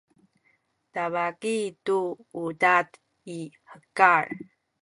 tabaki ku udad i hekal